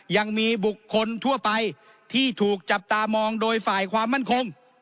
ยังมีบุคคลทั่วไปที่ถูกจับตามองโดยฝ่ายความมั่นคง